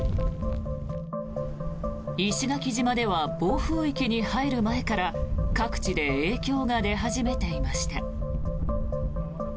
石垣島では暴風域に入る前から各地で影響が出始めていました。